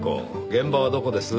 現場はどこです？